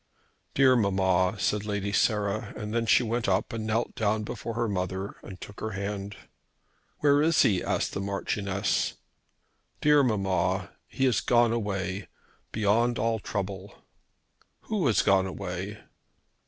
"Dear mamma!" said Lady Sarah; and she went up and knelt down before her mother and took her hand. "Where is he?" asked the Marchioness. "Dear mamma! He has gone away, beyond all trouble." "Who has gone away?"